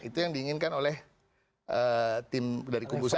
itu yang diinginkan oleh tim dari kubu satu